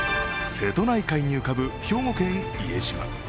瀬戸内海に浮かぶ兵庫県・家島。